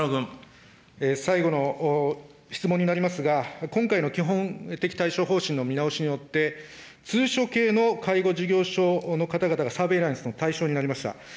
最後の質問になりますが、今回の基本的対処方針の見直しによって、通所系の介護事業所の方々がサーベイランスの対象となりました。